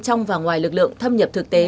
trong và ngoài lực lượng thâm nhập thực tế